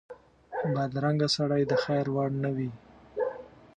بدرنګه سړی د خیر وړ نه وي